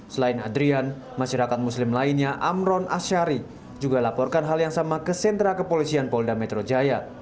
selain adrian masyarakat muslim lainnya amron ashari juga laporkan hal yang sama ke sentra kepolisian polda metro jaya